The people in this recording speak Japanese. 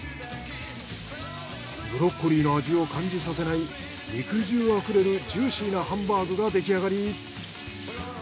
ブロッコリーの味を感じさせない肉汁あふれるジューシーなハンバーグが出来上がり。